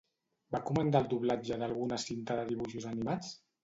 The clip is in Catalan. Va comandar el doblatge d'alguna cinta de dibuixos animats?